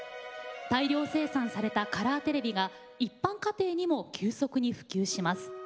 大量生産されたカラーテレビが一般家庭にも急速に普及します。